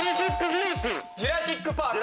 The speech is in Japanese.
『ジュラシック・パーク』。